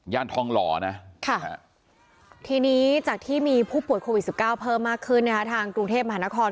ทองหล่อนะทีนี้จากที่มีผู้ป่วยโควิด๑๙เพิ่มมากขึ้นทางกรุงเทพมหานคร